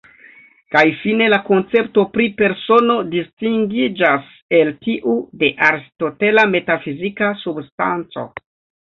Kaj fine la koncepto pri persono distingiĝas el tiu de aristotela metafizika substanco.